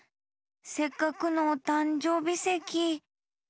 せっかくのおたんじょうびせき。